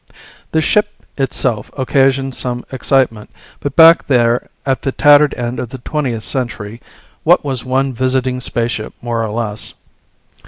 The ship itself occasioned some excitement, but back there at the tattered end of the 20th century, what was one visiting spaceship more or less?